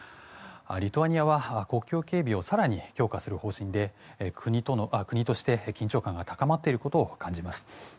リトアニアは国境警備を更に強化する方針で国として、緊張感が高まっていることを感じます。